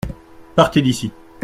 Partez d’ici.